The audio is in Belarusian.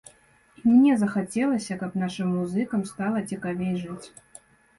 І мне захацелася, каб нашым музыкам стала цікавей жыць.